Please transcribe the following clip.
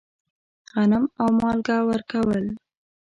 غنم او مالګه ورکول.